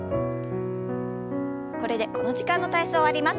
これでこの時間の体操終わります。